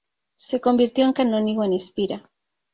Se convirtió en canónigo en Espira.